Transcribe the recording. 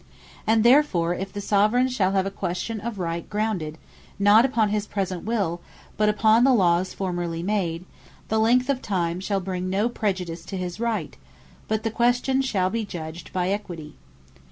And therefore if the Soveraign shall have a question of Right grounded, not upon his present Will, but upon the Lawes formerly made; the Length of Time shal bring no prejudice to his Right; but the question shal be judged by Equity.